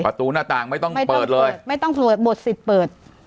ประตูหน้าต่างไม่ต้องเปิดเลยไม่ต้องเปิดไม่ต้องบวชศิษย์เปิด